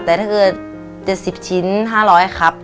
แต่ถ้าเกิด๗๐ชิ้น๕๐๐ครับ